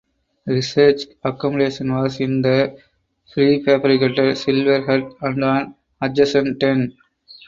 Research accommodation was in the prefabricated Silver Hut and an adjacent tent.